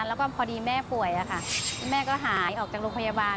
แล้วก็พอดีแม่ป่วยแม่ก็หายออกจากโรงพยาบาล